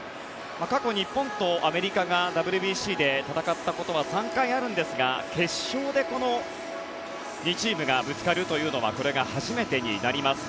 過去、日本とアメリカがＷＢＣで戦ったことは３回あるんですが決勝でこの２チームがぶつかるというのはこれが初めてになります。